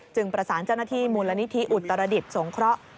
ประสานเจ้าหน้าที่มูลนิธิอุตรดิษฐ์สงเคราะห์